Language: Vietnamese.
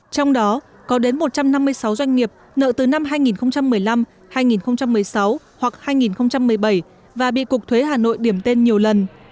trong đó có đến một trăm năm mươi sáu doanh nghiệp nợ từ năm hai nghìn một mươi năm hai nghìn một mươi sáu hoặc hai nghìn một mươi bảy và bị cục thuế hà nội điểm tên nhiều lần